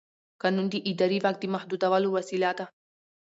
قانون د اداري واک د محدودولو وسیله ده.